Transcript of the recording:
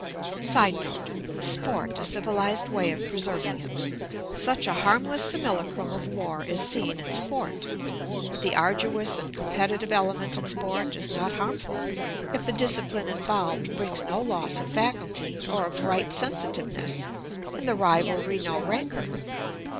[Sidenote: Sport a civilised way of preserving it.] Such a harmless simulacrum of war is seen in sport. The arduous and competitive element in sport is not harmful, if the discipline involved brings no loss of faculty or of right sensitiveness, and the rivalry no rancour.